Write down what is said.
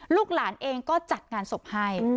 ลูกหลานเองก็จัดงานศพให้